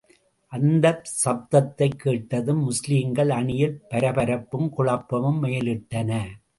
அந்தச் சப்தத்தைக் கேட்டதும், முஸ்லிம்கள் அணியில் பரபரப்பும், குழப்பமும் மேலிட்டன.